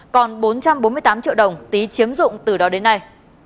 còn bốn trăm bốn mươi tám triệu đồng tý chiếm dụng từ đó đến nay